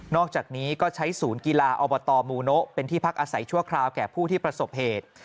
อกจากนี้ก็ใช้ศูนย์กีฬาอบตมูโนะเป็นที่พักอาศัยชั่วคราวแก่ผู้ที่ประสบเหตุ